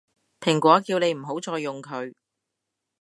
蘋果叫你唔好再用佢